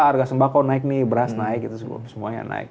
harga sembako naik nih beras naik semuanya naik